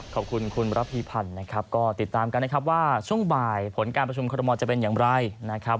ขอบคุณคุณระพีพันธ์นะครับก็ติดตามกันนะครับว่าช่วงบ่ายผลการประชุมคอรมอลจะเป็นอย่างไรนะครับ